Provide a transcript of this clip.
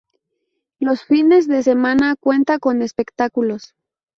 Los fines de semana cuenta con espectáculos.